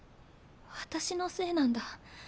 私のせいなんだ。